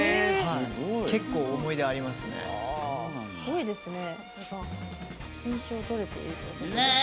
結構、思い出ありますね。